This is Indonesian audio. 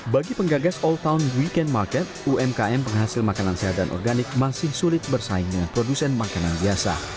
bagi penggagas alltown weekend market umkm penghasil makanan sehat dan organik masih sulit bersaing dengan produsen makanan biasa